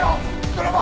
泥棒！